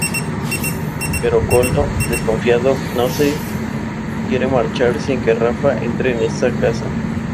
Pero Koldo, desconfiado, no se quiere marchar sin que Rafa entre en esa casa.